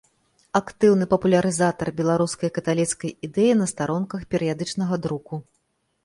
Актыўны папулярызатар беларускай каталіцкай ідэі на старонках перыядычнага друку.